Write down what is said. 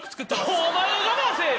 お前が我慢せえよ！